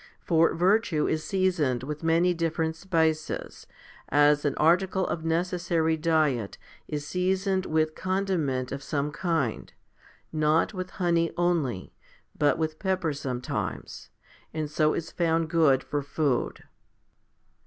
For virtue is seasoned with many different spices, as an article of necessary diet is seasoned with condiment of some kind not with honey only, but with pepper some times and so is found good for food.